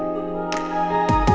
sini kita mulai mencoba